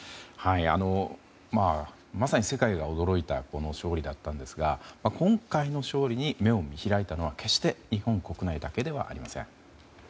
まさに世界が驚いたこの勝利だったんですが今回の勝利に目を見開いたのは決して日本国内だけではありません。